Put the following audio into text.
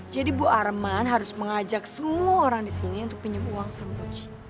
jadi bu arman harus mengajak semua orang di sini untuk pinjem uang sama bu cik